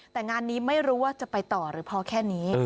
แต่งานนี้ไม่รู้ว่าจะไปต่อหรือพอแค่นี้